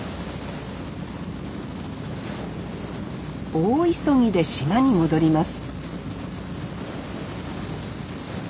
大急ぎで島に戻ります